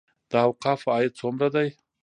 د اوقافو عاید څومره دی؟